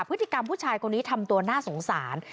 พฤติกรรมผู้ชายคนนี้ทำตัวน่าสงสาร